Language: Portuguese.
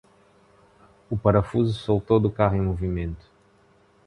O parafuso soltou do carro em movimento.